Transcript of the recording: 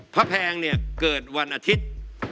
แพงเนี่ยเกิดวันอาทิตย์